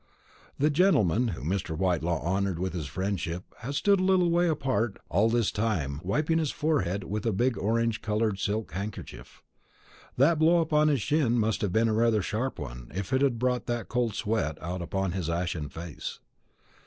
The gentleman whom Mr. Whitelaw honoured with his friendship had stood a little way apart all this time, wiping his forehead with a big orange coloured silk handkerchief. That blow upon his shin must have been rather a sharp one, if it had brought that cold sweat out upon his ashen face.